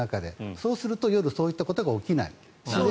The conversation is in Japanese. そうすると夜そういうことが起きない。